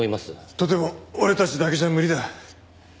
とても俺たちだけじゃ無理だ。